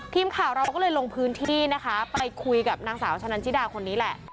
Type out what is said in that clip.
ทีมข่าวเราก็เลยลงพื้นที่นะคะไปคุยกับนางสาวชะนันชิดาคนนี้แหละ